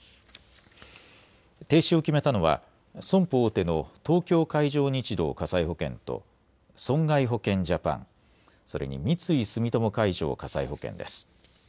停止を決めたのは損保大手の東京海上日動火災保険と損害保険ジャパン、それに三井住友海上火災保険です。